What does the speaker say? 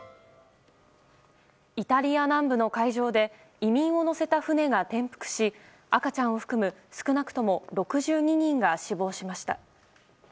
イタリア南部の海上で移民を乗せた船が転覆し赤ちゃんを含む少なくとも６２人が死亡しました。